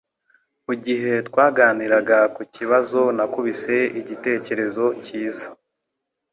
Mugihe twaganiraga kukibazo nakubise igitekerezo cyiza